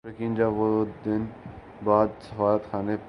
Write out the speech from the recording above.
پُریقین جب وہ دو دن بعد سفارتخانے پہنچا